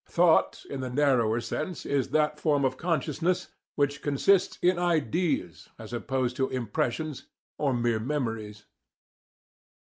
"Thought" in the narrower sense is that form of consciousness which consists in "ideas" as opposed to impressions or mere memories.